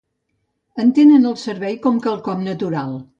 Entenen el servei com quelcom natural.